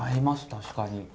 確かに。